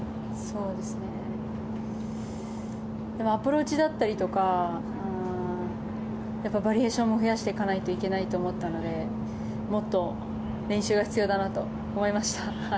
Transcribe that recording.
でもアプローチであったりとかバリエーションも増やしていかないといけないと思ったのでもっと練習が必要だなと思いました。